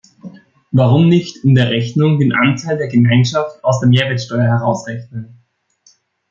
Warum nicht in der Rechnung den Anteil der Gemeinschaft aus der Mehrwertsteuer herausrechnen?